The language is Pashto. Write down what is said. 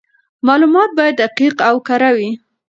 معلومات باید دقیق او کره وي.